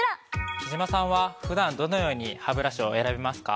貴島さんは普段どのようにハブラシを選びますか？